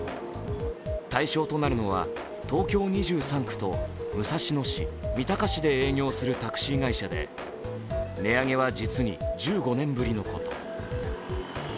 対象となるのは東京２３区と武蔵野市、三鷹市で営業するタクシー会社で、値上げは実に１５年ぶりのこと。